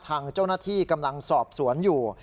ทางเจ้าหน้าที่กำลังสอบสวนอยู่